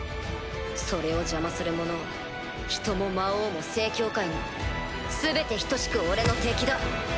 それを邪魔する者は人も魔王も聖教会も全て等しく俺の敵だ。